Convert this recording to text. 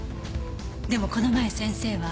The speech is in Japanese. でもこの前先生は。